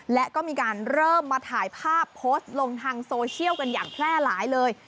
และก็มีการเริ่มมาถ่ายภาพโพสต์ลงทางโซเชียลกันอย่างแพร่หลายเลย